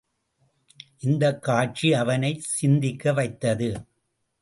இந்தக் காட்சி அவனைச் சிந்திக்க வைத்தது.